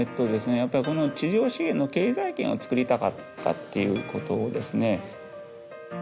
やっぱりこの地上資源の経済圏をつくりたかったっていうことですね